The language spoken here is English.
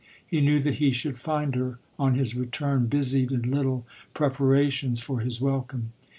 He knew that he should find her on his return busied in little pre parations for his welcome.